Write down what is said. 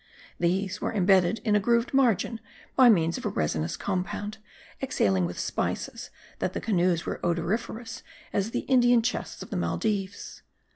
These were imbedded in a grooved margin, by means of a resinous compound, exhaling such spices, that the canoes were odoriferous as the Indian chests of the Maldives.